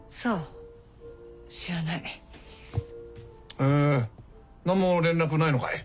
へえ何も連絡ないのかい。